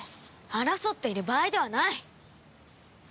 争っている場合ではない。